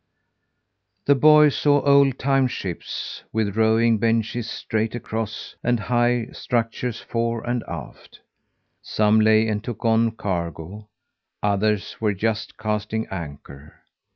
The boy saw olden time ships, with rowing benches straight across, and high structures fore and aft. Some lay and took on cargo, others were just casting anchor.